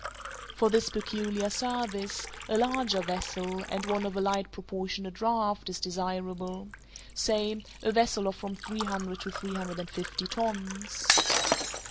For this peculiar service, a larger vessel, and one of a light proportionate draught, is desirable—say a vessel of from three hundred to three hundred and fifty tons.